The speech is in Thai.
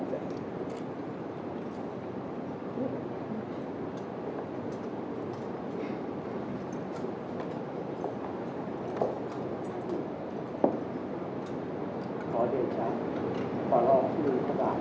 สวัสดีครับสวัสดีครับสวัสดีครับ